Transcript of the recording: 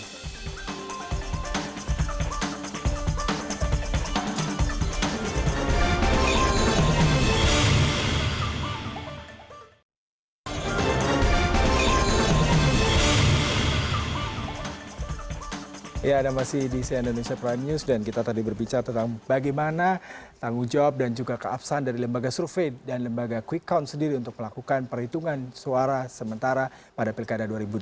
kinerja survei yang menanggung jawab dan keabsahan dari lembaga survei dan lembaga quick count sendiri untuk melakukan perhitungan suara sementara pada pilkada dua ribu delapan belas